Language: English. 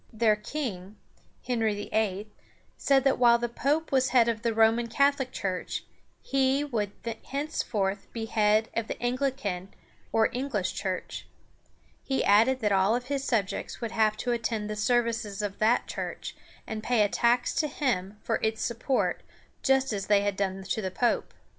Their king, Henry VIII., said that while the pope was head of the Roman Catholic Church, he would henceforth be head of the An´gli can or English Church. He added that all his subjects would have to attend the services of that church, and pay a tax to him for its support, just as they had done to the pope.